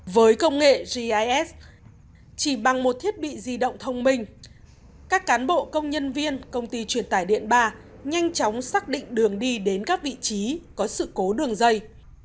với công nghệ gis chỉ bằng một thiết bị di động thông minh các cán bộ công nhân viên công ty truyền tải điện ba nhanh chóng xác định đường đi đến các vị trí có sự cố đường dây